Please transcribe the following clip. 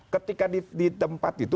ketika di tempat itu